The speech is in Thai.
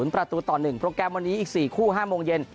ประตูต่อ๑โปรแกรมวันนี้อีก๔คู่๕โมงเย็น